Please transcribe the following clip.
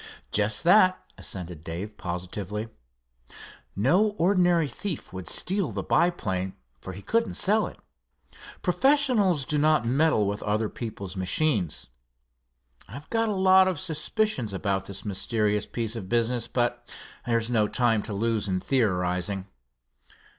"Just that," assented Dave, positively. "No ordinary thief would steal the biplane, for he couldn't sell it. Professionals do not meddle with other people's machines. I've got a lot of suspicions about this mysterious piece of business, but there's no time to lose in theorizing."